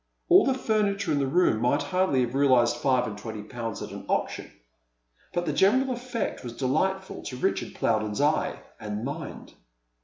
All the furniture in the room might hardly have realized five and twenty pounds at an auction, but the general effect was delightful to Richard Plowden's eye and mind.